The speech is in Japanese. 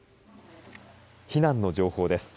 避難の情報です。